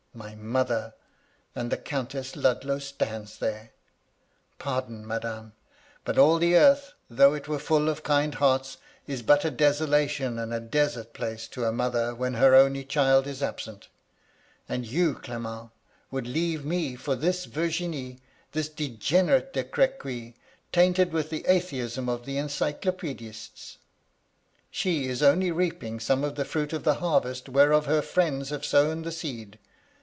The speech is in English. my mother 1 and the Countess Ludlow stands there I' "* Pardon, madame I But all the earth, though it were full of kind hearts, is but a desolation and a MY LADY LUDLOW. 117 desert place to a mother when her only child is absent. And you, Clement, would leave me for this Virginie, — this degenerate De Cr^uy, tainted with the atheism of the Encyclopedistes I She is only reaping some of the firuit of the harvest whereof her friends have sown the seed.